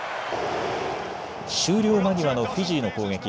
終了間際のフィジーの攻撃。